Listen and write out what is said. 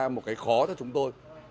một cái khó cho chúng tôi